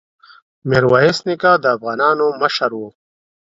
ميرويس نيکه د افغانانو مشر وو.